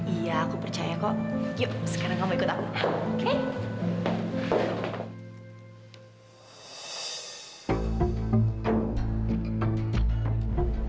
iya aku percaya kok yuk sekarang kamu ikut aku